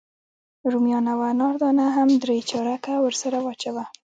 رومیان او انار دانه هم درې چارکه ورسره واچوه.